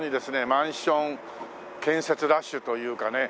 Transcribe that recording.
マンション建設ラッシュというかね。